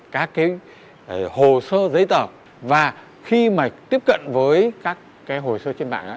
các cái hồ sơ giấy tờ và khi mà tiếp cận với các hồ sơ trên mạng